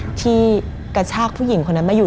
มันกลายเป็นรูปของคนที่กำลังขโมยคิ้วแล้วก็ร้องไห้อยู่